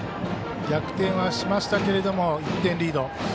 逆転はしましたけど１点リード。